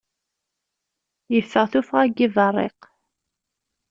Yeffeɣ tuffɣa n yibarriq.